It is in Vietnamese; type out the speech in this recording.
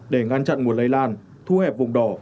đang chặn mùa lây lan thu hẹp vùng đỏ